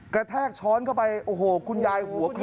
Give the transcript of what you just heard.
กระแทกช้อนเข้าไปคุณยายหัวคลอดเลย